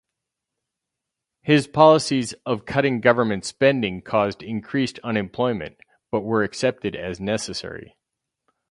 His policies of cutting government spending caused increased unemployment, but were accepted as necessary.